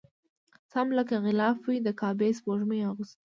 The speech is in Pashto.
سم لکه غلاف وي د کعبې سپوږمۍ اغوستی